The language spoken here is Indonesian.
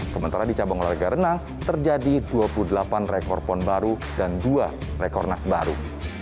sementara di cabang olahraga renang terjadi dua puluh delapan rekor pon baru dan dua rekor nas baru